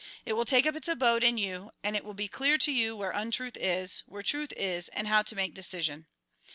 It will take up its abode in you, and it will be clear to you where untruth is, where truth is, and how to make decision.